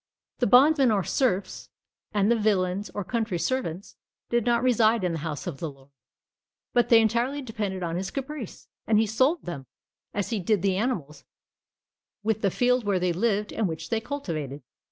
The bondmen or serfs, and the villains or country servants, did not reside in the house of the lord: but they entirely depended on his caprice; and he sold them, as he did the animals, with the field where they lived, and which they cultivated.